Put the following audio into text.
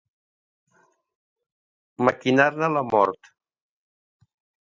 Maquinar-ne la mort.